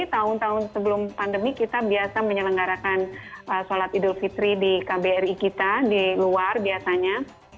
tahun tahun sebelum pandemi kita biasa menyelenggarakan sholat idul fitri di kbri kita di luar biasanya